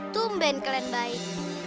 tumben kalian baik